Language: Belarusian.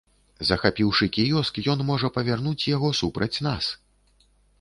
Захапіўшы кіёск, ён можа павярнуць яго супраць нас!